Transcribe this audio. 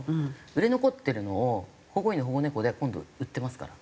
売れ残ってるのを「保護犬」「保護猫」で今度売ってますから。